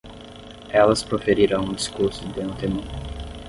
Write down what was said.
Elas proferirão o discurso de antemão